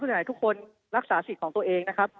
ไหนทุกคนรักษาสิทธิ์ของตัวเองนะครับ